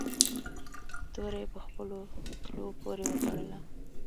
توره یې په خپلو تلو پورې و تړله.